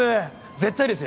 絶対ですよ